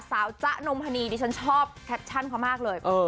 จ๊ะนมพนีดิฉันชอบแคปชั่นเขามากเลย